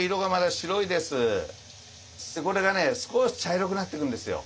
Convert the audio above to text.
これがね少し茶色くなってくるんですよ。